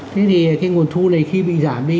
thế thì cái nguồn thu này khi bị giảm đi